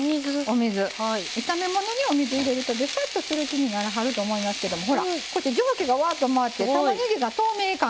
炒め物にお水入れるとベチャッとする気にならはると思いますけどもほらこうやって蒸気がわっと回ってたまねぎが透明感が。